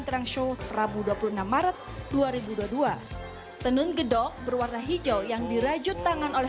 terang show rabu dua puluh enam maret dua ribu dua puluh dua tenun gedok berwarna hijau yang dirajut tangan oleh